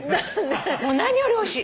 もう何よりうれしい。